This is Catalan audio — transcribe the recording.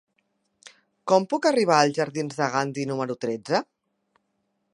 Com puc arribar als jardins de Gandhi número tretze?